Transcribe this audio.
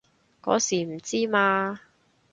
嗰時唔知嘛